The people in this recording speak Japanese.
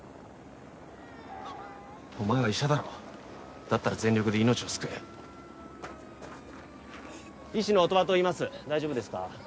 お前は医者だろだったら全力で命を救え医師の音羽といいます大丈夫ですか？